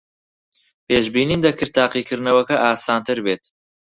پێشبینیم دەکرد تاقیکردنەوەکە ئاسانتر بێت.